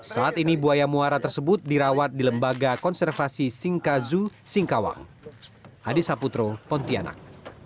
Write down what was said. saat ini buaya muara tersebut dirawat di lembaga konservasi singkazu singkawang